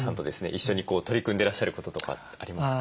一緒に取り組んでらっしゃることとかありますか？